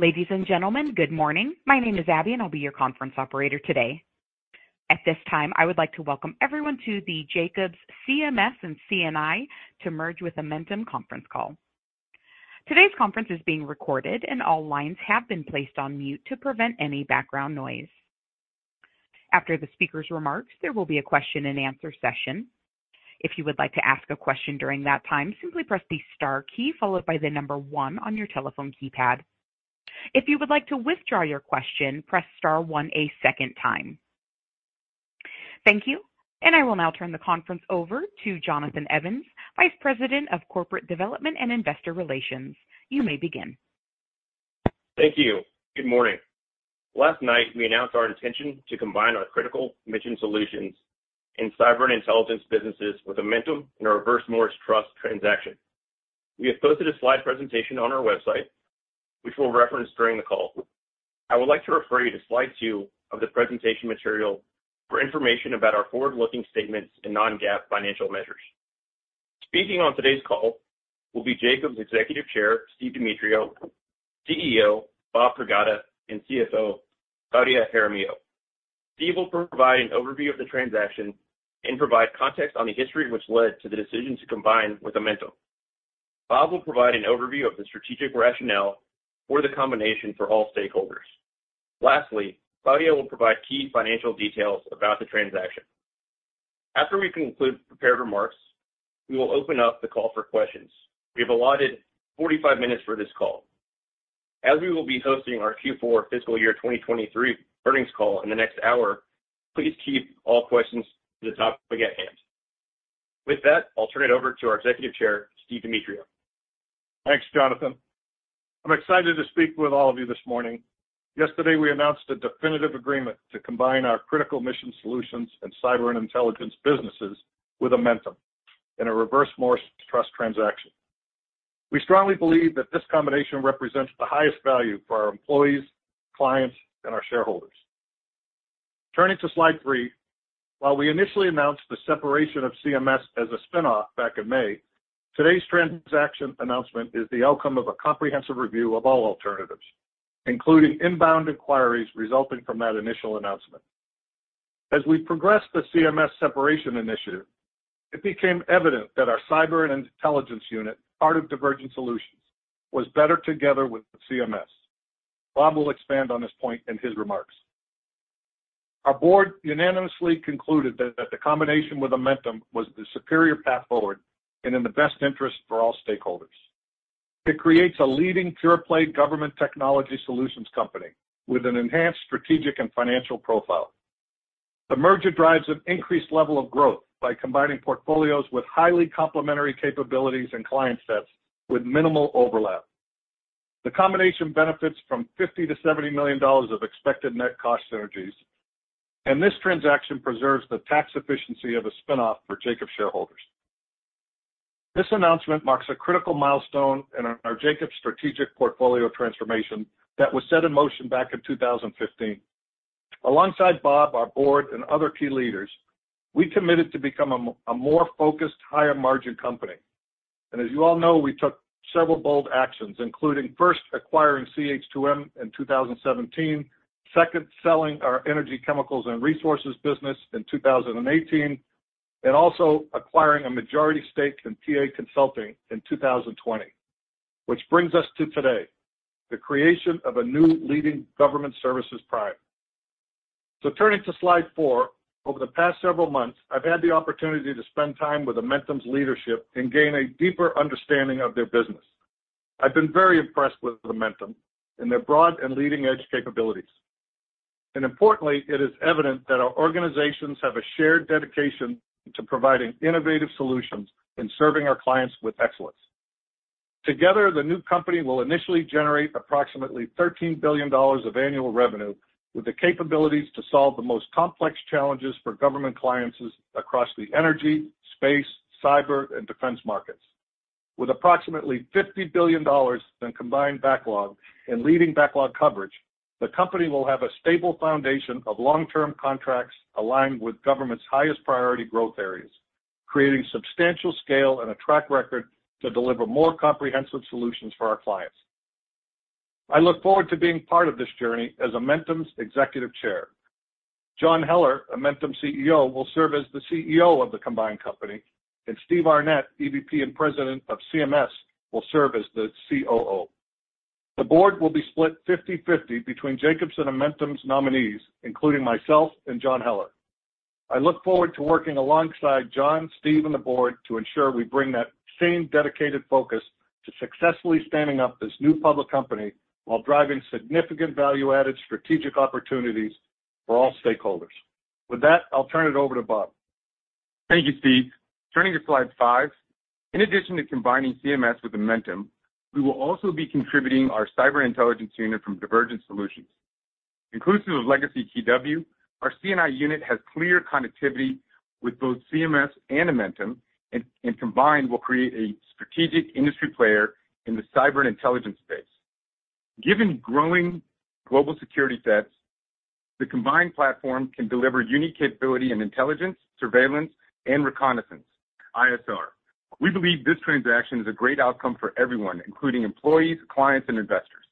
Ladies and gentlemen, good morning. My name is Abby, and I'll be your conference operator today. At this time, I would like to welcome everyone to the Jacobs CMS and C&I to merge with Amentum conference call. Today's conference is being recorded, and all lines have been placed on mute to prevent any background noise. After the speaker's remarks, there will be a question-and-answer session. If you would like to ask a question during that time, simply press the star key followed by the number one on your telephone keypad. If you would like to withdraw your question, press star one a second time. Thank you, and I will now turn the conference over to Jonathan Evans, Vice President of Corporate Development and Investor Relations. You may begin. Thank you. Good morning. Last night, we announced our intention to combine our Critical Mission Solutions and Cyber and Intelligence businesses with Amentum in a Reverse Morris Trust transaction. We have posted a slide presentation on our website, which we'll reference during the call. I would like to refer you to slide two of the presentation material for information about our forward-looking statements and non-GAAP financial measures. Speaking on today's call will be Jacobs' Executive Chair Steve Demetriou, CEO Bob Pragada, and CFO Claudia Jaramillo. Steve will provide an overview of the transaction and provide context on the history, which led to the decision to combine with Amentum. Bob will provide an overview of the strategic rationale for the combination for all stakeholders. Lastly, Claudia will provide key financial details about the transaction. After we conclude prepared remarks, we will open up the call for questions. We have allotted 45 minutes for this call. As we will be hosting our Q4 fiscal year 2023 earnings call in the next hour, please keep all questions to the topic at hand. With that, I'll turn it over to our Executive Chair, Steve Demetriou. Thanks, Jonathan. I'm excited to speak with all of you this morning. Yesterday, we announced a definitive agreement to combine our Critical Mission Solutions and Cyber and Intelligence businesses with Amentum in a Reverse Morris Trust transaction. We strongly believe that this combination represents the highest value for our employees, clients, and our shareholders. Turning to slide 3, while we initially announced the separation of CMS as a spin-off back in May, today's transaction announcement is the outcome of a comprehensive review of all alternatives, including inbound inquiries resulting from that initial announcement. As we progressed the CMS separation initiative, it became evident that our cyber and intelligence unit, part of Divergent Solutions, was better together with CMS. Bob will expand on this point in his remarks. Our board unanimously concluded that the combination with Amentum was the superior path forward and in the best interest for all stakeholders. It creates a leading pure-play government technology solutions company with an enhanced strategic and financial profile. The merger drives an increased level of growth by combining portfolios with highly complementary capabilities and client sets with minimal overlap. The combination benefits from $50 million-$70 million of expected net cost synergies, and this transaction preserves the tax efficiency of a spin-off for Jacobs shareholders. This announcement marks a critical milestone in our Jacobs strategic portfolio transformation that was set in motion back in 2015. Alongside Bob, our board, and other key leaders, we committed to become a more focused, higher-margin company. As you all know, we took several bold actions, including first acquiring CH2M in 2017, second, selling our energy, chemicals, and resources business in 2018, and also acquiring a majority stake in PA Consulting in 2020. Which brings us to today, the creation of a new leading government services provider. So turning to slide 4, over the past several months, I've had the opportunity to spend time with Amentum's leadership and gain a deeper understanding of their business. I've been very impressed with Amentum and their broad and leading-edge capabilities. And importantly, it is evident that our organizations have a shared dedication to providing innovative solutions and serving our clients with excellence. Together, the new company will initially generate approximately $13 billion of annual revenue, with the capabilities to solve the most complex challenges for government clients across the energy, space, cyber, and defense markets. With approximately $50 billion in combined backlog and leading backlog coverage, the company will have a stable foundation of long-term contracts aligned with government's highest priority growth areas, creating substantial scale and a track record to deliver more comprehensive solutions for our clients. I look forward to being part of this journey as Amentum's Executive Chair. John Heller, Amentum CEO, will serve as the CEO of the combined company, and Steve Arnette, EVP and President of CMS, will serve as the COO. The board will be split 50/50 between Jacobs and Amentum's nominees, including myself and John Heller. I look forward to working alongside John, Steve, and the board to ensure we bring that same dedicated focus to successfully standing up this new public company while driving significant value-added strategic opportunities for all stakeholders. With that, I'll turn it over to Bob. Thank you, Steve. Turning to slide 5. In addition to combining CMS with Amentum, we will also be contributing our cyber intelligence unit from Divergent Solutions. Inclusive of Legacy TW, our C&I unit has clear connectivity with both CMS and Amentum, and combined, will create a strategic industry player in the cyber intelligence space. Given growing global security threats-... The combined platform can deliver unique capability and intelligence, surveillance, and reconnaissance, ISR. We believe this transaction is a great outcome for everyone, including employees, clients, and investors.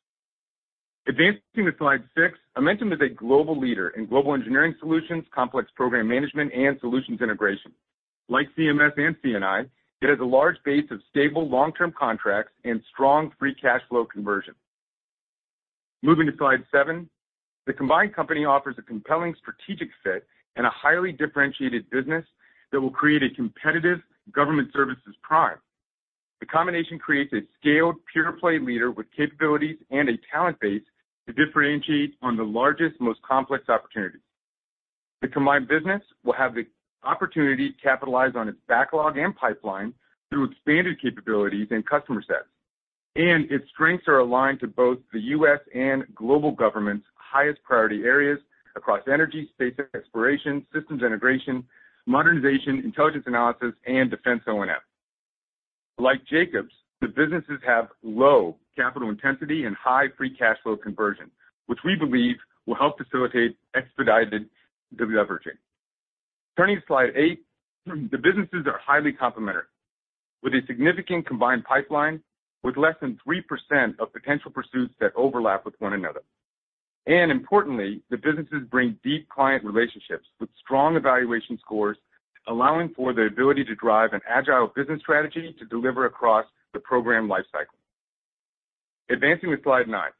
Advancing to slide 6, Amentum is a global leader in global engineering solutions, complex program management, and solutions integration. Like CMS and C&I, it has a large base of stable, long-term contracts and strong free cash flow conversion. Moving to slide 7, the combined company offers a compelling strategic fit and a highly differentiated business that will create a competitive government services prime. The combination creates a scaled pure-play leader with capabilities and a talent base to differentiate on the largest, most complex opportunities. The combined business will have the opportunity to capitalize on its backlog and pipeline through expanded capabilities and customer sets. Its strengths are aligned to both the U.S. and global government's highest priority areas across energy, space exploration, systems integration, modernization, intelligence analysis, and defense O&M. Like Jacobs, the businesses have low capital intensity and high free cash flow conversion, which we believe will help facilitate expedited deleveraging. Turning to slide 8, the businesses are highly complementary, with a significant combined pipeline, with less than 3% of potential pursuits that overlap with one another. Importantly, the businesses bring deep client relationships with strong evaluation scores, allowing for the ability to drive an agile business strategy to deliver across the program lifecycle. Advancing to slide 9.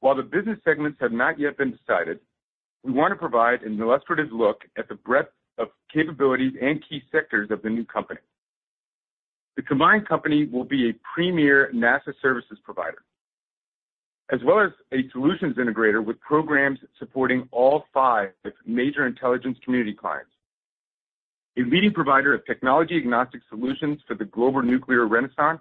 While the business segments have not yet been decided, we want to provide an illustrative look at the breadth of capabilities and key sectors of the new company. The combined company will be a premier NASA services provider, as well as a solutions integrator with programs supporting all five major intelligence community clients. A leading provider of technology-agnostic solutions for the global nuclear renaissance.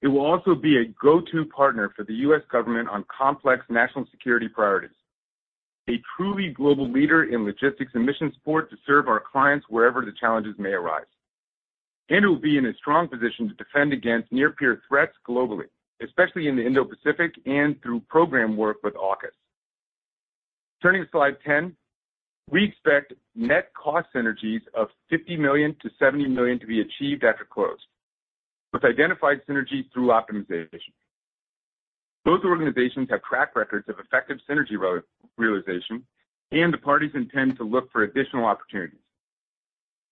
It will also be a go-to partner for the U.S. government on complex national security priorities. A truly global leader in logistics and mission support to serve our clients wherever the challenges may arise. And it will be in a strong position to defend against near-peer threats globally, especially in the Indo-Pacific and through program work with AUKUS. Turning to slide 10. We expect net cost synergies of $50 million-$70 million to be achieved after close, with identified synergies through optimization. Both organizations have track records of effective synergy realization, and the parties intend to look for additional opportunities.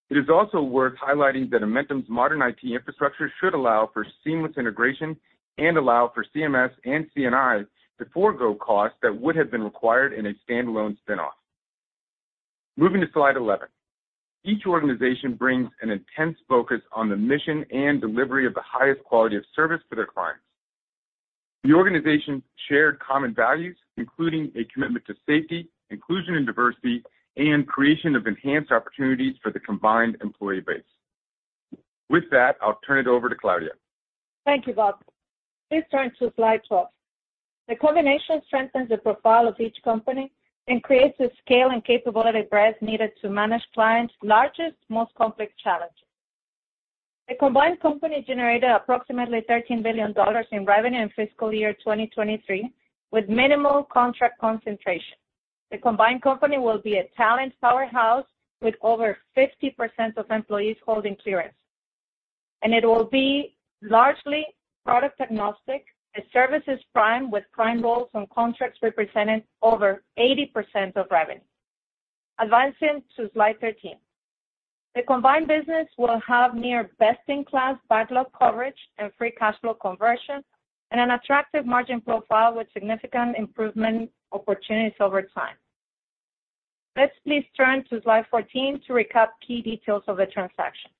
It is also worth highlighting that Amentum's modern IT infrastructure should allow for seamless integration and allow for CMS and C&I to forego costs that would have been required in a standalone spin-off. Moving to slide 11. Each organization brings an intense focus on the mission and delivery of the highest quality of service to their clients. The organizations share common values, including a commitment to safety, inclusion, and diversity, and creation of enhanced opportunities for the combined employee base. With that, I'll turn it over to Claudia. Thank you, Bob. Please turn to slide 12. The combination strengthens the profile of each company and creates the scale and capability breadth needed to manage clients' largest, most complex challenges. The combined company generated approximately $13 billion in revenue in fiscal year 2023, with minimal contract concentration. The combined company will be a talent powerhouse, with over 50% of employees holding clearance. It will be largely product-agnostic, a services prime with prime roles and contracts representing over 80% of revenue. Advancing to slide 13. The combined business will have near best-in-class backlog coverage and free cash flow conversion, and an attractive margin profile with significant improvement opportunities over time. Let's please turn to slide 14 to recap key details of the transaction.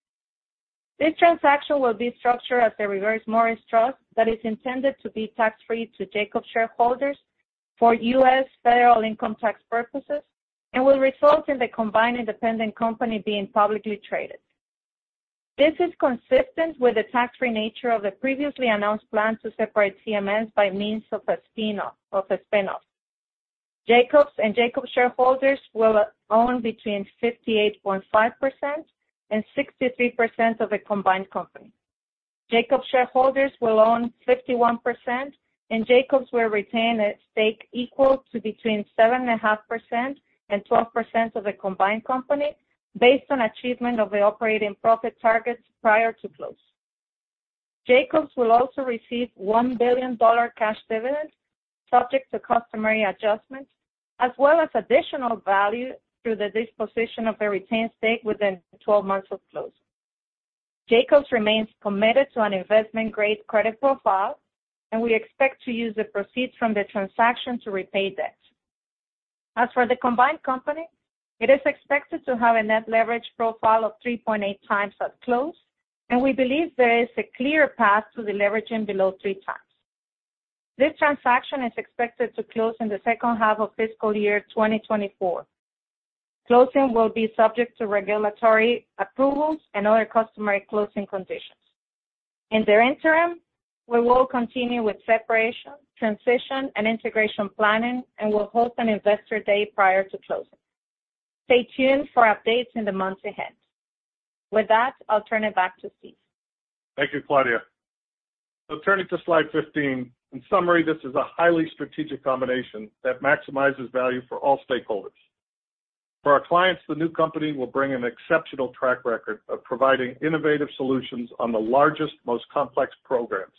This transaction will be structured as a Reverse Morris Trust that is intended to be tax-free to Jacobs shareholders for U.S. federal income tax purposes and will result in the combined independent company being publicly traded. This is consistent with the tax-free nature of the previously announced plan to separate CMS by means of a spin-off. Jacobs and Jacobs shareholders will own between 58.5% and 63% of the combined company. Jacobs shareholders will own 51%, and Jacobs will retain a stake equal to between 7.5% and 12% of the combined company, based on achievement of the operating profit targets prior to close. Jacobs will also receive $1 billion cash dividend, subject to customary adjustments, as well as additional value through the disposition of the retained stake within 12 months of close. Jacobs remains committed to an investment-grade credit profile, and we expect to use the proceeds from the transaction to repay debt. As for the combined company, it is expected to have a net leverage profile of 3.8 times at close, and we believe there is a clear path to deleveraging below 3 times. This transaction is expected to close in the second half of fiscal year 2024. Closing will be subject to regulatory approvals and other customary closing conditions. In the interim, we will continue with separation, transition, and integration planning and will host an Investor Day prior to closing. Stay tuned for updates in the months ahead. With that, I'll turn it back to Steve. Thank you, Claudia.... Turning to slide 15. In summary, this is a highly strategic combination that maximizes value for all stakeholders. For our clients, the new company will bring an exceptional track record of providing innovative solutions on the largest, most complex programs,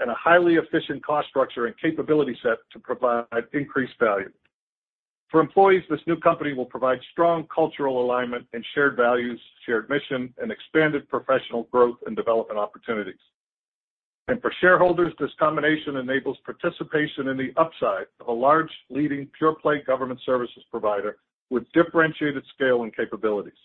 and a highly efficient cost structure and capability set to provide increased value. For employees, this new company will provide strong cultural alignment and shared values, shared mission, and expanded professional growth and development opportunities. And for shareholders, this combination enables participation in the upside of a large, leading pure-play government services provider with differentiated scale and capabilities.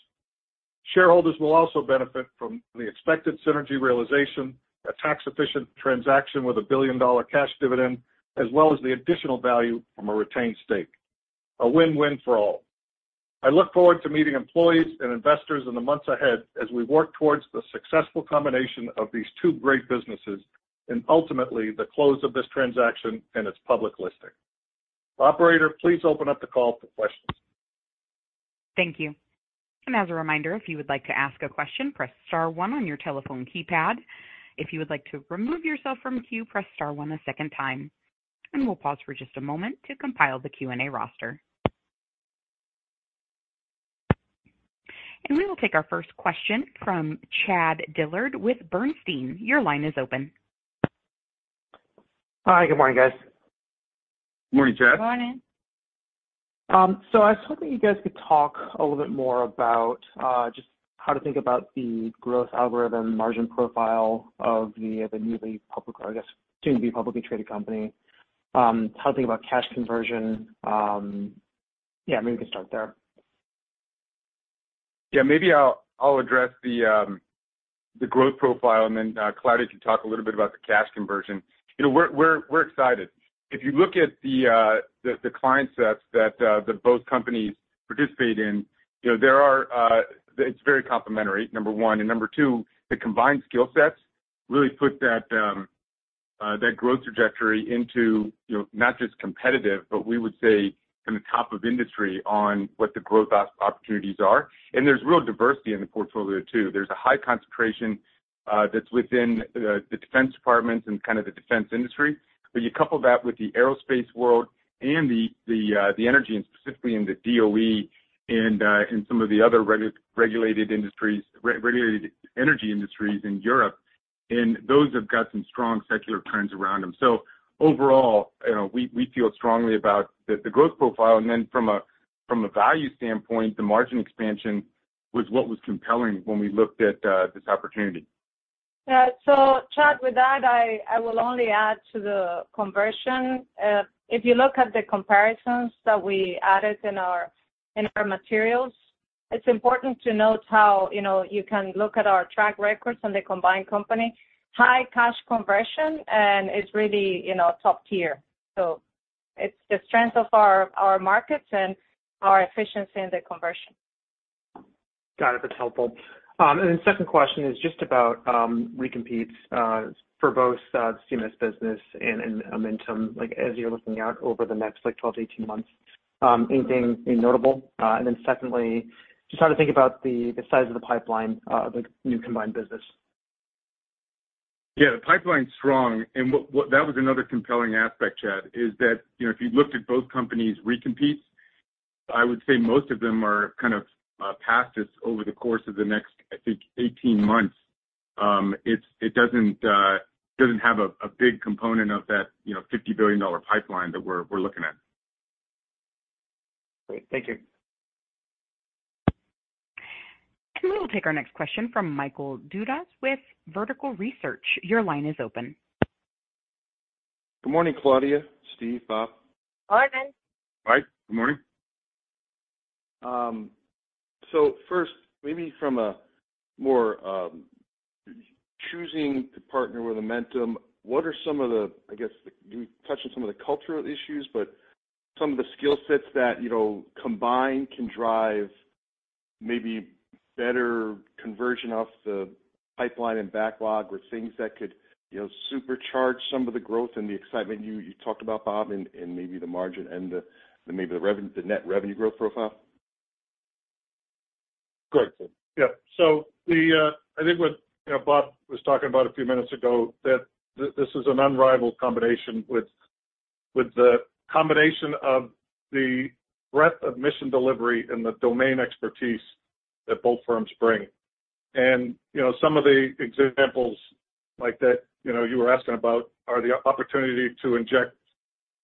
Shareholders will also benefit from the expected synergy realization, a tax-efficient transaction with a billion-dollar cash dividend, as well as the additional value from a retained stake. A win-win for all. I look forward to meeting employees and investors in the months ahead as we work towards the successful combination of these two great businesses and ultimately the close of this transaction and its public listing. Operator, please open up the call for questions. Thank you. As a reminder, if you would like to ask a question, press star one on your telephone keypad. If you would like to remove yourself from queue, press star one a second time, and we'll pause for just a moment to compile the Q&A roster. We will take our first question from Chad Dillard with Bernstein. Your line is open. Hi, good morning, guys. Morning, Chad. Morning. So I was hoping you guys could talk a little bit more about just how to think about the growth algorithm, margin profile of the newly public, or I guess, soon-to-be publicly traded company. How to think about cash conversion. Yeah, maybe we can start there. Yeah, maybe I'll address the growth profile, and then Claudia can talk a little bit about the cash conversion. we're excited. If you look at the client sets that both companies participate in there are, it's very complementary, number one. And number two, the combined skill sets really put that growth trajectory into not just competitive, but we would say in the top of industry on what the growth opportunities are. And there's real diversity in the portfolio, too. There's a high concentration that's within the defense departments and kind of the defense industry. But you couple that with the aerospace world and the energy, and specifically in the DOE and some of the other regulated industries, regulated energy industries in Europe, and those have got some strong secular trends around them. So overall we feel strongly about the growth profile. And then from a value standpoint, the margin expansion was what was compelling when we looked at this opportunity. So, Chad, with that, I will only add to the conversion. If you look at the comparisons that we added in our materials, it's important to note how you can look at our track records on the combined company, high cash conversion, and it's really top tier. So it's the strength of our markets and our efficiency in the conversion. Got it, that's helpful. Second question is just about recompetes for both the CMS business and Amentum. Like, as you're looking out over the next, like, 12-18 months, anything notable? Secondly, just how to think about the size of the pipeline, the new combined business. Yeah, the pipeline's strong, and that was another compelling aspect, Chad, is that if you looked at both companies' recompetes, I would say most of them are kind of past us over the course of the next, I think, 18 months. It doesn't have a big component of that $50 billion pipeline that we're looking at. Great. Thank you. We will take our next question from Michael Dudas with Vertical Research. Your line is open. Good morning, Claudia, Steve, Bob. Morning! Hi, good morning. So first, maybe from a more, choosing to partner with Amentum, what are some of the, I guess, you touched on some of the cultural issues, but some of the skill sets that combined can drive maybe better conversion of the pipeline and backlog with things that could supercharge some of the growth and the excitement you, you talked about, Bob, and, and maybe the margin and the, maybe the revenue, the net revenue growth profile? Good. Yeah. So the, I think what Bob was talking about a few minutes ago, that this is an unrivaled combination with the combination of the breadth of mission delivery and the domain expertise that both firms bring. And some of the examples like that you were asking about, are the opportunity to inject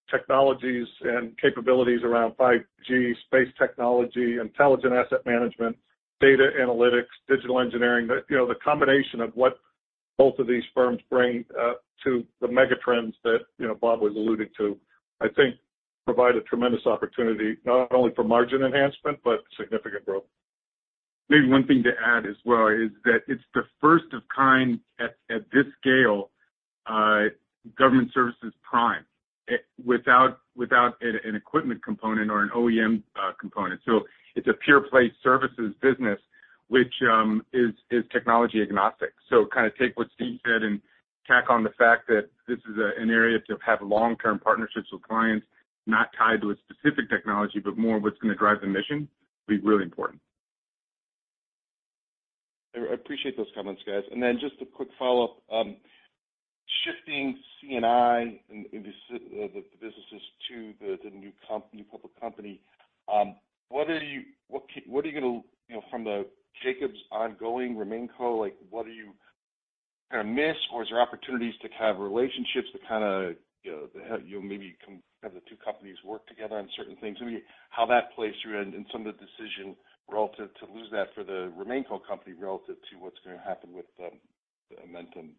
technologies and capabilities around 5G, space technology, intelligent asset management, data analytics, digital engineering. The the combination of what both of these firms bring to the megatrends that Bob was alluding to, I think provide a tremendous opportunity, not only for margin enhancement, but significant growth. Maybe one thing to add as well is that it's the first of kind at this scale, government services prime, without an equipment component or an OEM component. So it's a pure-play services business, which is technology agnostic. So kind of take what Steve said and tack on the fact that this is an area to have long-term partnerships with clients, not tied to a specific technology, but more what's going to drive the mission, will be really important. ... I appreciate those comments, guys. And then just a quick follow-up. Shifting C&I and the businesses to the new public company, what are you gonna from the Jacobs ongoing Remain Co, like, what are you gonna miss? Or is there opportunities to have relationships to kind of have maybe have the two companies work together on certain things? I mean, how that plays through and some of the decision relative to lose that for the Remain Co company relative to what's gonna happen with the Amentum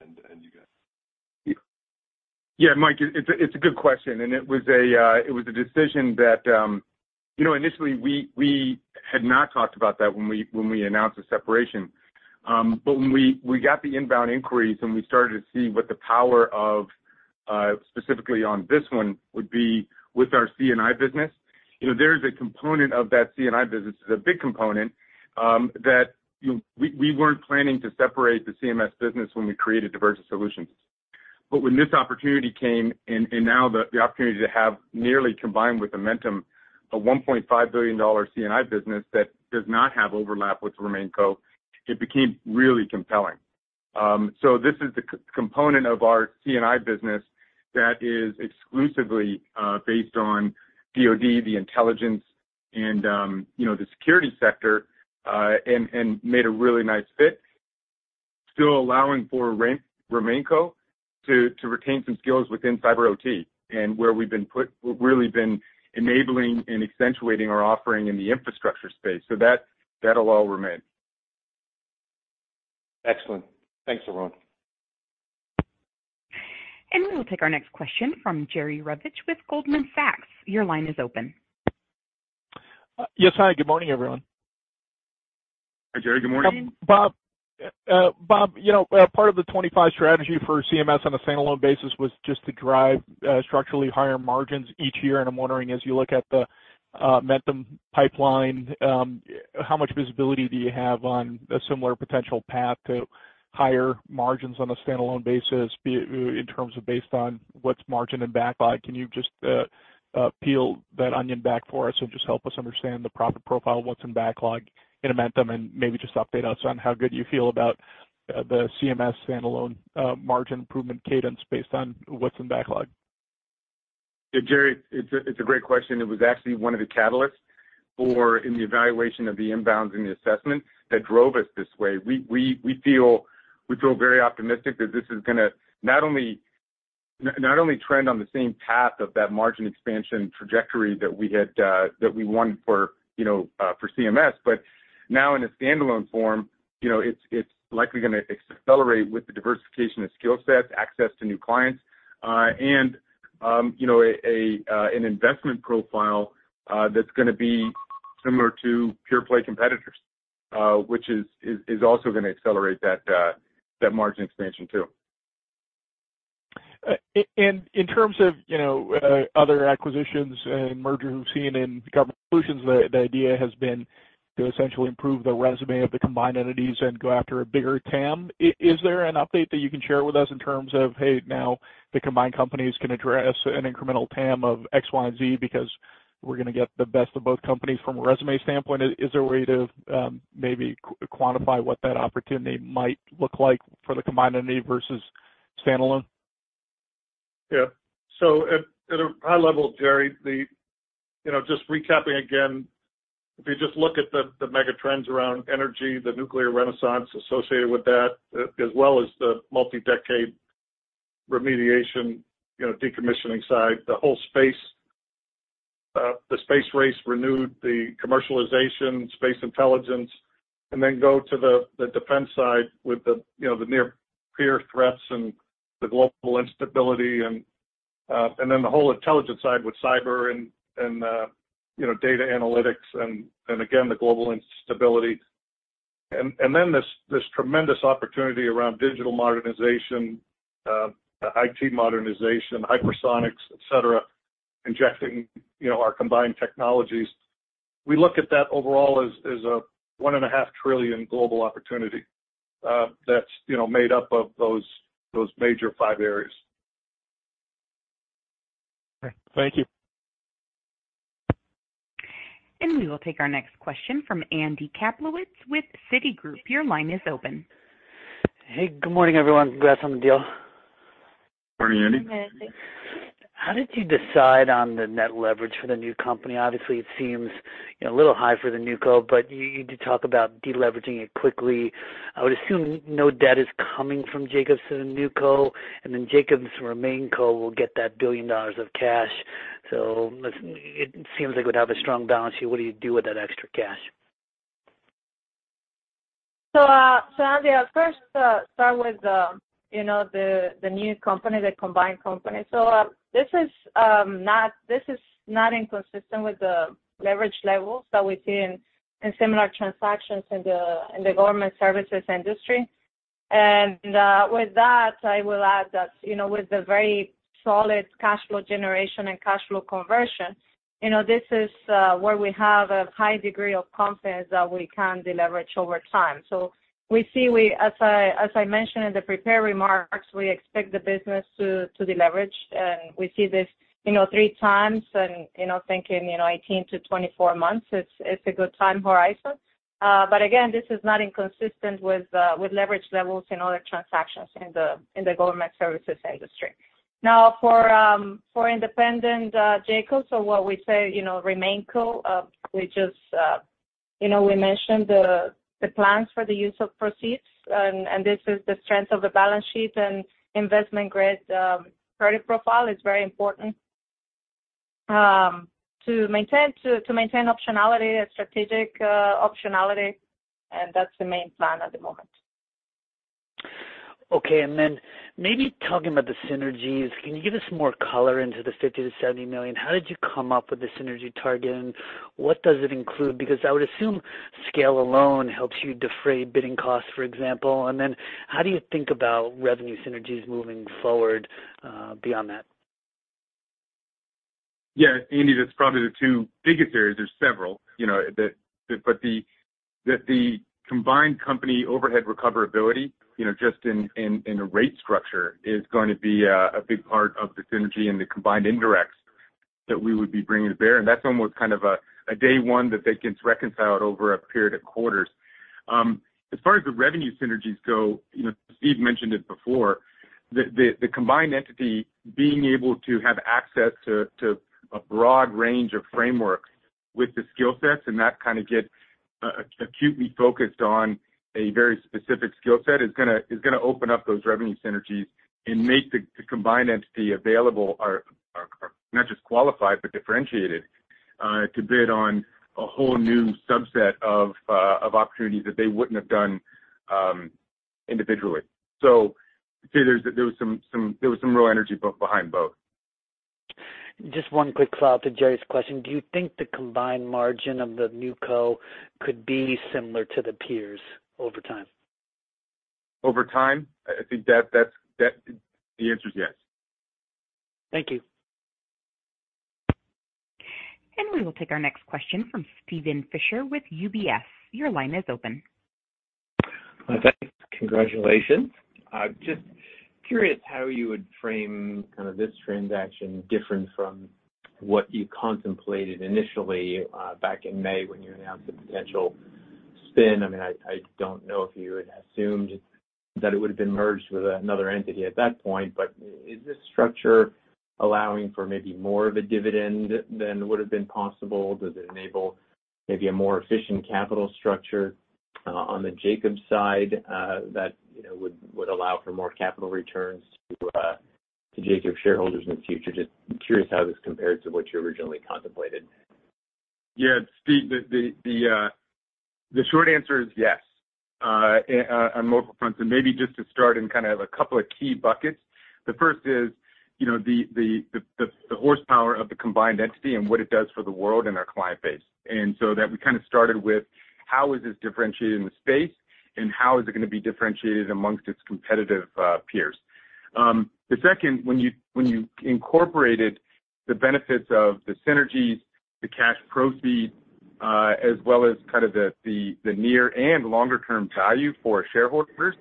and you guys? Yeah, Mike, it's a good question, and it was a decision that initially we had not talked about that when we announced the separation. But when we got the inbound inquiries, and we started to see what the power of, specifically on this one, would be with our C&I business there is a component of that C&I business, it's a big component, that we weren't planning to separate the CMS business when we created Divergent Solutions. But when this opportunity came and now the opportunity to nearly combine with Amentum, a $1.5 billion C&I business that does not have overlap with the Remain Co, it became really compelling. So this is the C-component of our C&I business that is exclusively based on DOD, the intelligence and the security sector, and made a really nice fit. Still allowing for Remain to retain some skills within cyber OT, and where we've really been enabling and accentuating our offering in the infrastructure space. So that, that'll all remain. Excellent. Thanks, Arun. We will take our next question from Jerry Revich with Goldman Sachs. Your line is open. Yes, hi, good morning, everyone. Hi, Jerry. Good morning. Bob, Bob part of the 25 strategy for CMS on a standalone basis was just to drive, structurally higher margins each year. And I'm wondering, as you look at the, Amentum pipeline, how much visibility do you have on a similar potential path to higher margins on a standalone basis, be it in terms of based on what's margined and backlogged? Can you just, peel that onion back for us and just help us understand the profit profile, what's in backlog in Amentum, and maybe just update us on how good you feel about, the CMS standalone, margin improvement cadence based on what's in backlog? Yeah, Jerry, it's a great question. It was actually one of the catalysts for in the evaluation of the inbounds and the assessment that drove us this way. We feel very optimistic that this is gonna not only trend on the same path of that margin expansion trajectory that we had, that we won for for CMS, but now in a standalone form it's likely gonna accelerate with the diversification of skill sets, access to new clients, and an investment profile, that's gonna be similar to pure play competitors, which is also gonna accelerate that margin expansion, too. And in terms of other acquisitions and mergers we've seen in government solutions, the idea has been to essentially improve the resume of the combined entities and go after a bigger TAM. Is there an update that you can share with us in terms of, "Hey, now the combined companies can address an incremental TAM of X, Y, and Z, because we're gonna get the best of both companies from a resume standpoint?" Is there a way to, maybe quantify what that opportunity might look like for the combined entity versus standalone? Yeah. So at a high level, Jerry, the... just recapping again, if you just look at the megatrends around energy, the nuclear renaissance associated with that, as well as the multi-decade remediation decommissioning side, the whole space, the space race renewed, the commercialization, space intelligence, and then go to the defense side with the the near peer threats and the global instability, and then the whole intelligence side with cyber and, and data analytics and, and again, the global instability. And then this tremendous opportunity around digital modernization, IT modernization, hypersonics, et cetera, injecting our combined technologies. We look at that overall as a $1.5 trillion global opportunity, that's made up of those major five areas. Great. Thank you. We will take our next question from Andy Kaplowitz with Citigroup. Your line is open. Hey, good morning, everyone. Congrats on the deal. Morning, Andy. Good morning. How did you decide on the net leverage for the new company? Obviously, it seems a little high for the New Co, but you did talk about deleveraging it quickly. I would assume no debt is coming from Jacobs to the NewCo, and then Jacobs Remain Co will get that $1 billion of cash. So it seems like we'd have a strong balance sheet. What do you do with that extra cash? So, so Andy, I'll first start with the NewCompany, the combined company. So, this is not inconsistent with the leverage levels that we see in similar transactions in the government services industry. And, with that, I will add that with the very solid cash flow generation and cash flow conversion-... this is where we have a high degree of confidence that we can deleverage over time. So we see, as I mentioned in the prepared remarks, we expect the business to deleverage, and we see this 3x. And thinking 18-24 months, it's a good time horizon. But again, this is not inconsistent with leverage levels in other transactions in the government services industry. Now, for independent Jacobs, so what we say we just we mentioned the plans for the use of proceeds, and this is the strength of the balance sheet and investment-grade credit profile is very important to maintain optionality and strategic optionality, and that's the main plan at the moment. Okay, and then maybe talking about the synergies, can you give us more color into the $50 million-$70 million? How did you come up with the synergy target, and what does it include? Because I would assume scale alone helps you defray bidding costs, for example. And then how do you think about revenue synergies moving forward, beyond that? Yeah, Andy, that's probably the two biggest areas. There's several but the combined company overhead recoverability just in the rate structure, is going to be a big part of the synergy and the combined indirects that we would be bringing to bear, and that's almost kind of a day one that they can reconcile over a period of quarters. As far as the revenue synergies go Steve mentioned it before, the combined entity being able to have access to a broad range of frameworks with the skill sets, and not kind of get acutely focused on a very specific skill set, is gonna open up those revenue synergies and make the combined entity available are not just qualified, but differentiated to bid on a whole new subset of opportunities that they wouldn't have done individually. So I'd say there was some real energy behind both. Just one quick follow-up to Jerry's question. Do you think the combined margin of the new co could be similar to the peers over time? Over time? I think that, that's, that... The answer is yes. Thank you. We will take our next question from Steven Fisher with UBS. Your line is open. Thanks. Congratulations. I'm just curious how you would frame kind of this transaction different from what you contemplated initially, back in May, when you announced the potential spin. I mean, I don't know if you had assumed that it would have been merged with another entity at that point, but is this structure allowing for maybe more of a dividend than would have been possible? Does it enable maybe a more efficient capital structure, on the Jacobs side, that would, would allow for more capital returns to, to Jacobs shareholders in the future? Just curious how this compares to what you originally contemplated. Yeah, Steve, the short answer is yes, on multiple fronts, and maybe just to start in kind of a couple of key buckets. The first is the horsepower of the combined entity and what it does for the world and our client base. And so that we kind of started with how is this differentiated in the space, and how is it gonna be differentiated amongst its competitive peers? The second, when you incorporated the benefits of the synergies, the cash proceeds, as well as kind of the near and longer-term value for shareholders,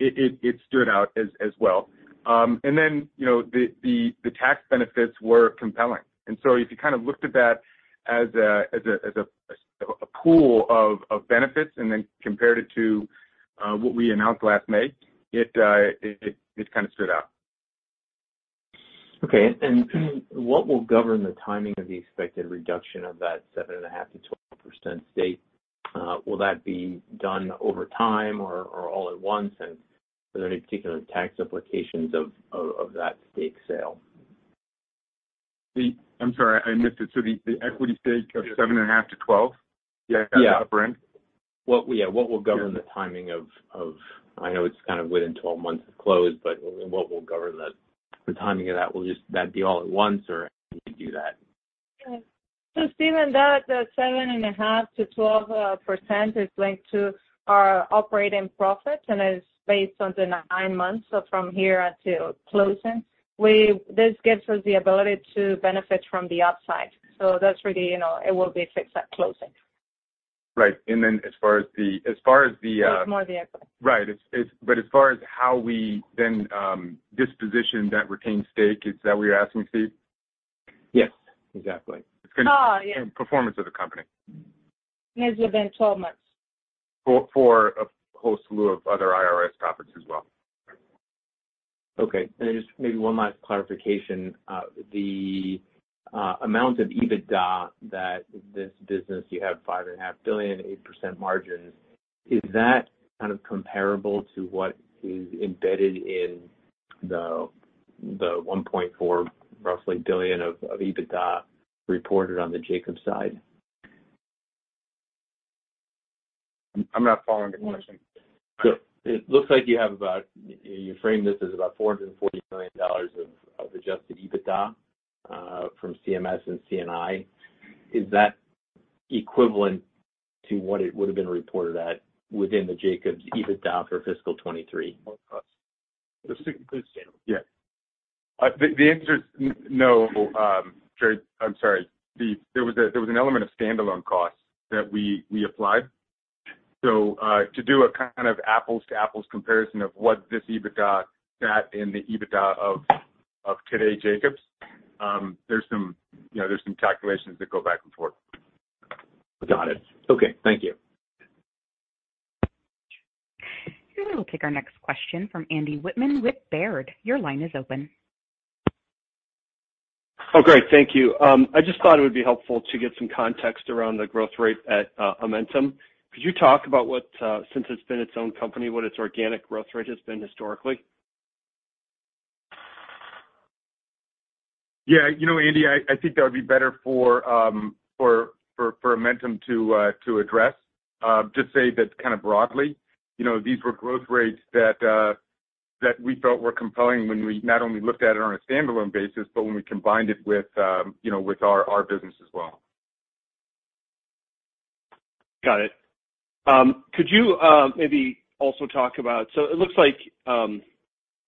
it stood out as well. And then the tax benefits were compelling. And so if you kind of looked at that as a pool of benefits and then compared it to what we announced last May, it kind of stood out. Okay. And what will govern the timing of the expected reduction of that 7.5%-12% stake? Will that be done over time or all at once? And are there any particular tax implications of that stake sale? I'm sorry, I missed it. So the equity stake of 7.5-12? Yeah. At the upper end. Yeah, what will govern the timing of? I know it's kind of within 12 months of close, but what will govern the timing of that? Will just that be all at once, or how do you do that? So Steven, that, the 7.5%-12% is linked to our operating profits and is based on the 9 months, so from here until closing. This gives us the ability to benefit from the upside. So that's really it will be fixed at closing. Right. And then as far as the It's more the equity. Right. It's, but as far as how we then disposition that retained stake, is that what you're asking, Steve? Yes, exactly. Oh, yeah. Performance of the company. Yes, within 12 months. For a whole slew of other IRS topics as well. Okay, and just maybe one last clarification. The amount of EBITDA that this business, you have $5.5 billion, 8% margins, is that kind of comparable to what is embedded in the roughly $1.4 billion of EBITDA reported on the Jacobs side? I'm not following the question. Sure. It looks like you have about, you frame this as about $440 million of adjusted EBITDA from CMS and C&I. Is that equivalent to what it would have been reported at within the Jacobs EBITDA for fiscal 2023?... The standalone? Yeah. The answer is no, Trey. I'm sorry. There was an element of standalone costs that we applied. So, to do a kind of apples to apples comparison of what this EBITDA sat in the EBITDA of today Jacobs, there's some there's some calculations that go back and forth. Got it. Okay. Thank you. We will take our next question from Andy Whitman with Baird. Your line is open. Oh, great. Thank you. I just thought it would be helpful to get some context around the growth rate at Amentum. Could you talk about what, since it's been its own company, what its organic growth rate has been historically? Yeah Andy, I think that would be better for Amentum to address. Just say that kind of broadly these were growth rates that we felt were compelling when we not only looked at it on a standalone basis, but when we combined it with our business as well. Got it. Could you, maybe also talk about... So it looks like,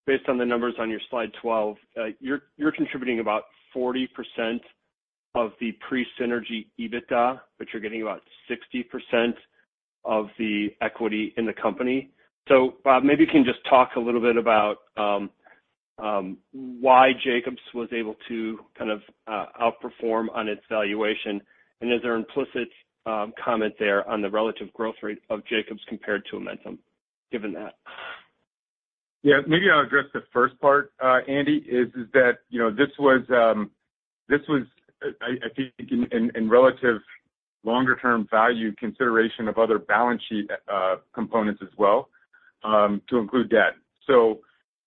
based on the numbers on your slide 12, you're, you're contributing about 40% of the pre-synergy EBITDA, but you're getting about 60% of the equity in the company. So, maybe you can just talk a little bit about, why Jacobs was able to kind of, outperform on its valuation, and is there an implicit, comment there on the relative growth rate of Jacobs compared to Amentum, given that? Yeah, maybe I'll address the first part, Andy, is that this was, I think in relative longer term value consideration of other balance sheet components as well, to include debt. So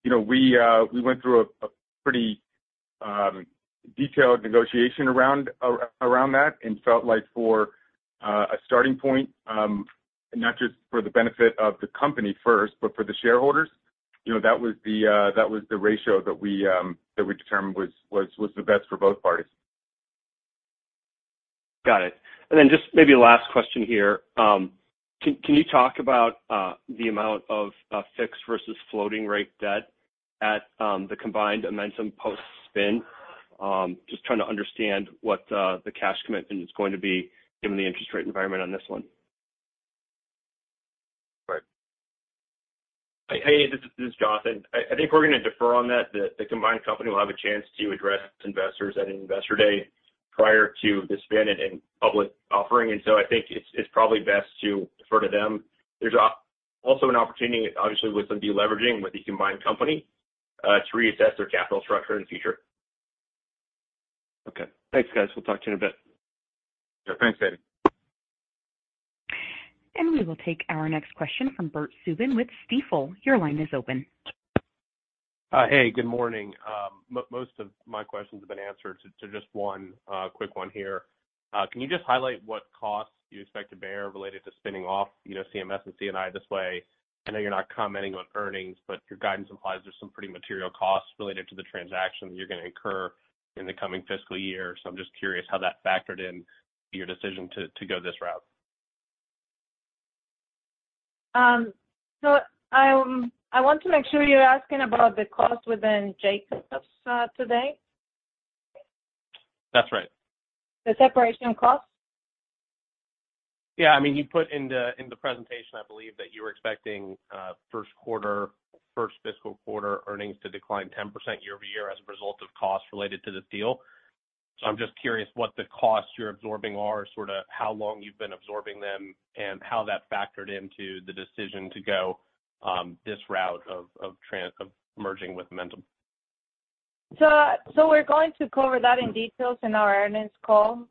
we went through a pretty detailed negotiation around that and felt like for a starting point, not just for the benefit of the company first, but for the shareholders that was the ratio that we determined was the best for both parties. Got it. And then just maybe a last question here. Can you talk about the amount of fixed versus floating rate debt at the combined Amentum post-spin? Just trying to understand what the cash commitment is going to be given the interest rate environment on this one. Right. Hey, this is Jonathan. I think we're gonna defer on that. The combined company will have a chance to address investors at Investor Day prior to the spin and public offering. And so I think it's probably best to defer to them. There's also an opportunity, obviously, with some deleveraging with the combined company to reassess their capital structure in the future. Okay. Thanks, guys. We'll talk to you in a bit. Sure. Thanks, Andy. We will take our next question from Bert Subin with Stifel. Your line is open. Hey, good morning. Most of my questions have been answered, so just one quick one here. Can you just highlight what costs you expect to bear related to spinning off CMS and C&I this way? I know you're not commenting on earnings, but your guidance implies there's some pretty material costs related to the transaction you're gonna incur in the coming fiscal year. So I'm just curious how that factored in your decision to go this route. So, I want to make sure you're asking about the cost within Jacobs today? That's right. The separation costs? Yeah. I mean, you put in the presentation, I believe that you were expecting Q1, first fiscal quarter earnings to decline 10% year-over-year as a result of costs related to the deal. So I'm just curious what the costs you're absorbing are, sort of how long you've been absorbing them, and how that factored into the decision to go this route of merging with Amentum. So, we're going to cover that in details in our earnings call.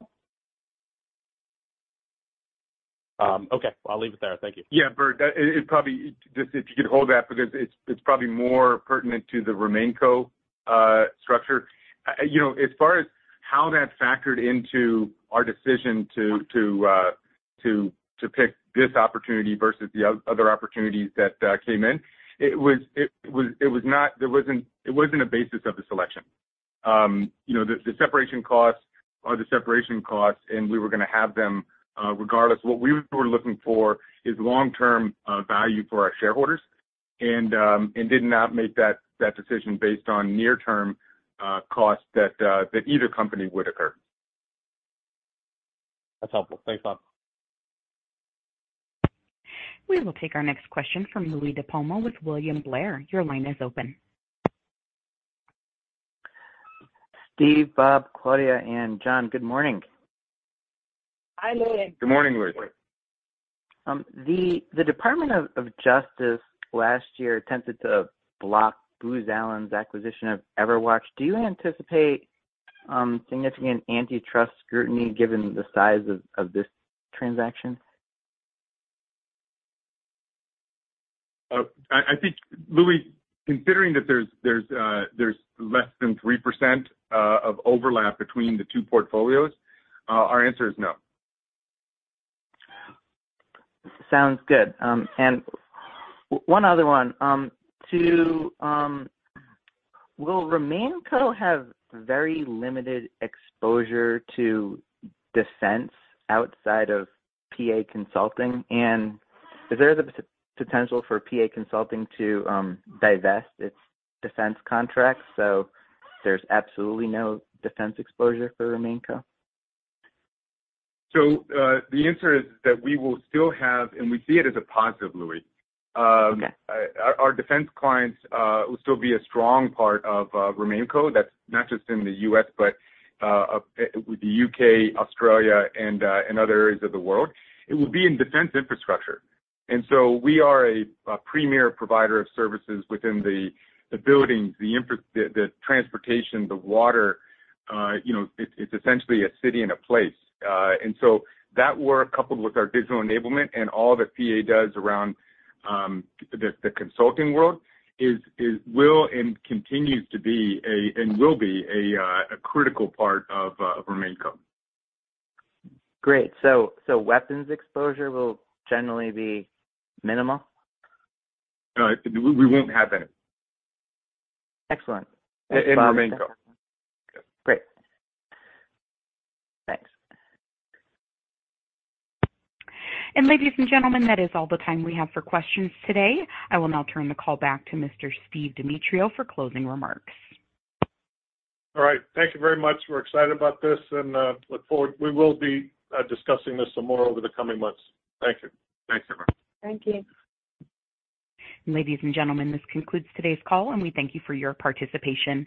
Okay. I'll leave it there. Thank you. Yeah, Bert, that. It probably—just if you could hold that because it's probably more pertinent to the RemainCo structure. As far as how that factored into our decision to pick this opportunity versus the other opportunities that came in, it was not—there wasn't—it wasn't a basis of the selection. The separation costs are the separation costs, and we were gonna have them regardless. What we were looking for is long-term value for our shareholders and did not make that decision based on near-term costs that either company would occur. That's helpful. Thanks, Bob. We will take our next question from Louie DiPalma with William Blair. Your line is open. Steve, Bob, Claudia, and John, good morning. Hi, Louie. Good morning, Louie. The Department of Justice last year attempted to block Booz Allen's acquisition of Everwatch. Do you anticipate significant antitrust scrutiny given the size of this transaction? I think, Louie, considering that there's less than 3% of overlap between the two portfolios, our answer is no. Sounds good. And one other one. Will RemainCo have very limited exposure to defense outside of PA Consulting? And is there the potential for PA Consulting to divest its defense contracts, so there's absolutely no defense exposure for RemainCo? The answer is that we will still have, and we see it as a positive, Louie. Okay. Our defense clients will still be a strong part of RemainCo. That's not just in the US, but with the UK, Australia, and other areas of the world. It will be in defense infrastructure. And so we are a premier provider of services within the buildings, the infrastructure, the transportation, the water. It's essentially a city and a place. And so that, where coupled with our digital enablement and all that PA does around the consulting world, will and continues to be a, and will be a critical part of RemainCo. Great. So, weapons exposure will generally be minimal? We won't have any. Excellent. In RemainCo. Great. Thanks. Ladies and gentlemen, that is all the time we have for questions today. I will now turn the call back to Mr. Steve Demetriou for closing remarks. All right. Thank you very much. We're excited about this and look forward. We will be discussing this some more over the coming months. Thank you. Thanks, everyone. Thank you. Ladies and gentlemen, this concludes today's call, and we thank you for your participation.